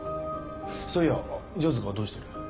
そういや城塚はどうしてる？